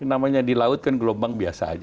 namanya di laut kan gelombang biasa aja